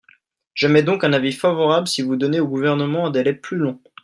J’émets donc un avis favorable si vous donnez au Gouvernement un délai plus long.